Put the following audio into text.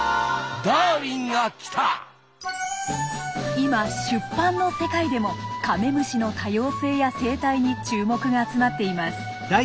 今出版の世界でもカメムシの多様性や生態に注目が集まっています。